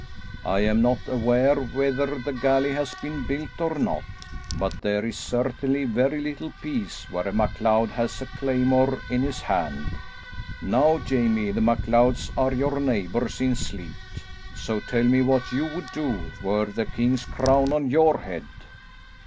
I am not aware whether the galley has been built or not, but there is certainly very little peace where a MacLeod has a claymore in his hand. Now, Jamie, the MacLeods are your neighbours in Sleat, so tell me what you would do were the king's crown on your head?"